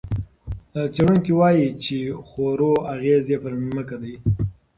څېړونکي وايي، څه خورو، اغېز یې پر ځمکه دی.